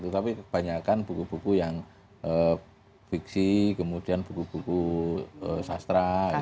tapi kebanyakan buku buku yang fiksi kemudian buku buku sastra